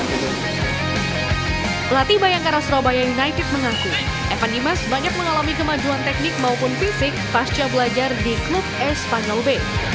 pelatih bayangkara surabaya united mengaku evan dimas banyak mengalami kemajuan teknik maupun fisik pasca belajar di klub spanyol b